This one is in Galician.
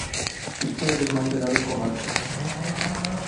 ¿Isto é desmantelar os comarcais?